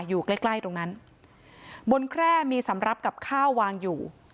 อยู่ใกล้ใกล้ตรงนั้นบนแคร่มีสำหรับกับข้าววางอยู่